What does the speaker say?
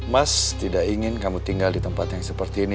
mas tidak ingin kamu tinggal di tempat yang seperti ini